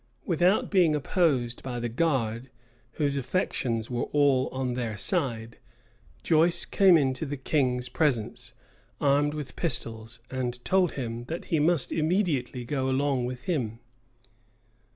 Without being opposed by the guard, whose affections were all on their side, Joyce came into the king's presence, armed with pistols, and told him, that he must immediately go along with him.